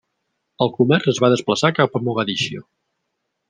El comerç es va desplaçar cap a Mogadiscio.